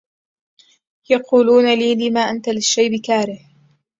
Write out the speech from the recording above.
يقولون لي لم أنت للشيب كاره